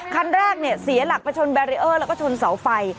คันแรกเนี่ยเสียหลักไปชนแบรีเออร์แล้วก็ชนเสาไฟ